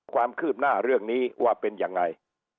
ความคืบหน้าเรื่องนี้ว่าเป็นยังไง